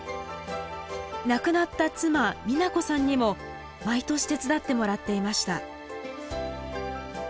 亡くなった妻みな子さんにも毎年手伝ってもらっていました。